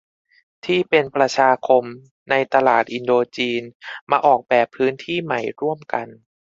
ที่เป็นประชาคมในตลาดอินโดจีนมาออกแบบพื้นที่ใหม่ร่วมกัน